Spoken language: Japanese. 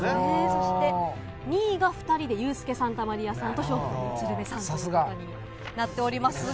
そして、２位が２人で、ユースケ・サンタマリアさんと笑福亭鶴瓶さんのお２人になっておさすが。